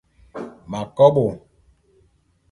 M'akobô.